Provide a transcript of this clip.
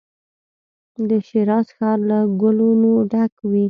د شیراز ښار له ګلو نو ډک وي.